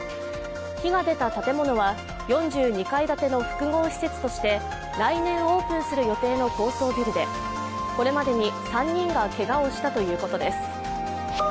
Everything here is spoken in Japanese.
火が出た建物は４２階建ての複合施設として来年オープンする予定の高層ビルでこれまでに３人がけがをしたということです。